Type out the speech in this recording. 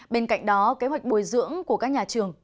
bên cạnh đó kế hoạch bồi dưỡng của các nhà trường